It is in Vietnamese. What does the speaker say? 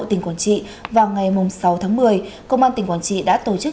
tỉnh quảng trị vào ngày sáu tháng một mươi công an tỉnh quảng trị đã tổ chức